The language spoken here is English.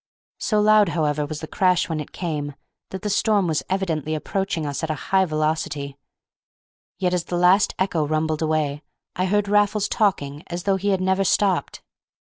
So loud, however, was the crash when it came, that the storm was evidently approaching us at a high velocity; yet as the last echo rumbled away, I heard Raffles talking as though he had never stopped.